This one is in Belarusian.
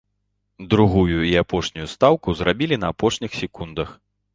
Другую і апошнюю стаўку зрабілі на апошніх секундах.